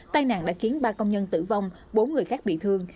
tai nạn đã khiến ba công nhân tử vong bốn người khác bị thương